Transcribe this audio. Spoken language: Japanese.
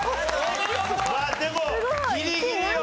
まあでもギリギリよ。